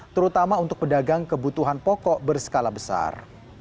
terutama untuk pedagang kebutuhan pokok berskala besar